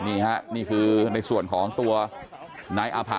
นี่ฮะนี่คือในส่วนของตัวนายอาผะ